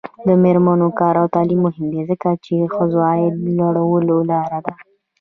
د میرمنو کار او تعلیم مهم دی ځکه چې ښځو عاید لوړولو لاره ده.